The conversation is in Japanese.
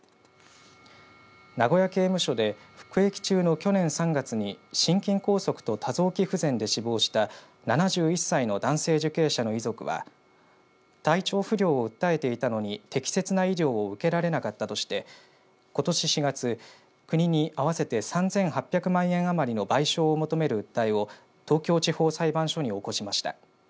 名古屋刑務所で服役中の去年３月心筋梗塞と多臓器不全で死亡した７１歳の男性受刑者の遺族は体調不良を訴えていたのに適切な医療を受けられなかったとしてことし４月国に合わせて３８００万円余りの賠償を求める訴えを東京地方裁判所に起こしました。